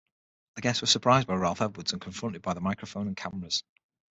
The guests were surprised by Ralph Edwards and confronted by the microphone and cameras.